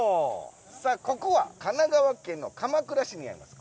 さあここは神奈川県の鎌倉市にあります